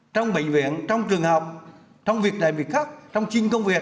trong bệnh viện trong trường học trong việc này việc khác trong chuyên công việc